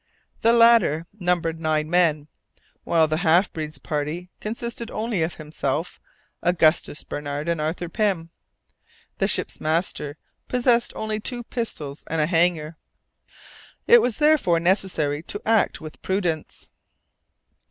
The latter numbered nine men, while the half breed's party consisted only of himself, Augustus Barnard and Arthur Pym. The ship's master possessed only two pistols and a hanger. It was therefore necessary to act with prudence.